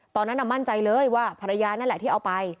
ตอนนั้นมั่นใจเลยว่าภรรยานั่นแหละที่เอาไป